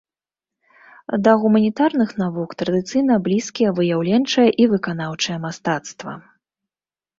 Да гуманітарных навук традыцыйна блізкія выяўленчае і выканаўчае мастацтва.